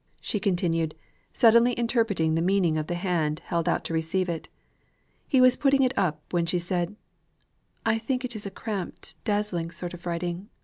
she continued, suddenly interpreting the meaning of the hand held out to receive it. He was putting it up, when she said, "I think it is a cramped, dazzling sort of writing.